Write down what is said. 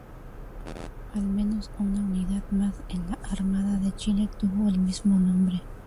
Al menos una unidad más en la Armada de Chile tuvo el mismo nombre.